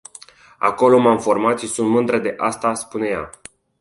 Acolo m-am format și sunt mândră de asta spune ea.